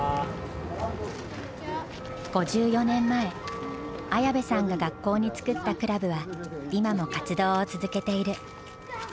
５４年前綾部さんが学校に作ったクラブは今も活動を続けている。